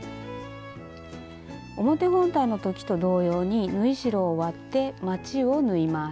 表本体の時と同様に縫い代を割ってまちを縫います。